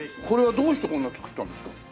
これはどうしてこんなの作ったんですか？